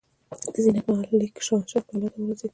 د زینت محل لیک شاهنشاه کلا ته ورسېد.